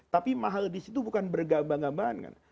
tapi mahal di situ bukan bergabah gabahan